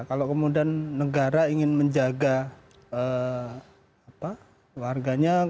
kalau kemudian negara ingin menjaga warganya